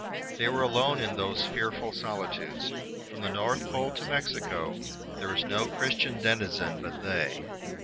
They were alone in those fearful solitudes. From the north pole to Mexico there was no Christian denizen but they.